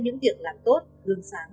những việc làm tốt gương sáng